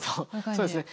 そうですね。